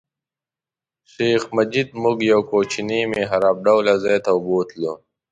شیخ مجید موږ یو کوچني محراب ډوله ځای ته بوتلو.